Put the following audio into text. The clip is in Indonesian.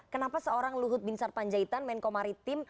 kenapa seorang luhut bin sarpanjaitan menko maritim